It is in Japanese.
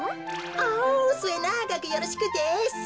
おすえながくよろしくです。